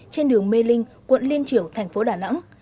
trên đường mê linh quận liên triểu thành phố đà nẵng